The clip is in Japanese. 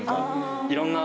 いろんな。